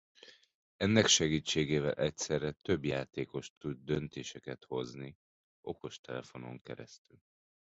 Ennek segítségével egyszerre több játékos tud döntéseket hozni okostelefonon keresztül.